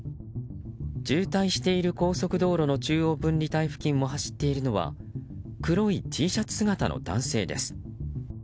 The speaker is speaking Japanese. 渋滞している高速道路の中央分離帯付近を走っているのは黒いＴシャツ姿の男性です。